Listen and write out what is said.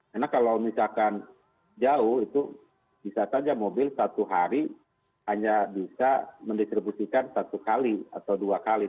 karena kalau misalkan jauh itu bisa saja mobil satu hari hanya bisa mendistribusikan satu kali atau dua kali